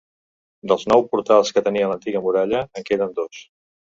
Dels nou portals que tenia l'antiga muralla en queden dos.